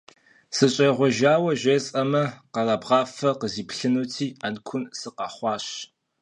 СыщӀегъуэжауэ жесӀэмэ, къэрабгъафэ къызиплъынути, Ӏэнкун сыкъэхъуащ.